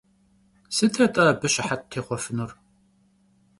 Sıt at'e abı şıhet têxhuefınur?